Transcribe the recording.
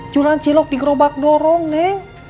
jualan cilok di gerobak dorong neng